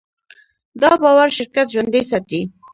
دا باور شرکت ژوندی ساتي.